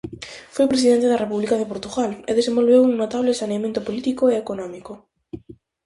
Foi presidente da República de Portugal e desenvolveu un notable saneamento político e económico.